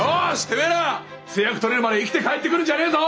てめえら成約取れるまで生きて帰ってくるんじゃねえぞ！